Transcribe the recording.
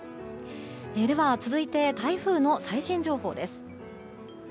では、続いて台風の最新情報です。